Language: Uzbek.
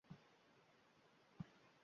Demakki, bemurosa tabiiy ixtiloting bor